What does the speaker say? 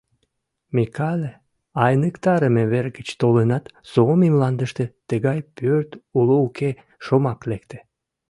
Микале айныктарыме вер гыч толынат, Суоми мландыште тыгай пӧрт уло-уке, шомак лекте.